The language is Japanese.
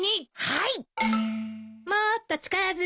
はい！